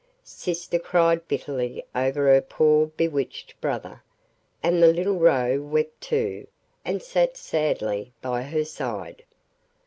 Sister cried bitterly over her poor bewitched brother, and the little Roe wept too, and sat sadly by her side.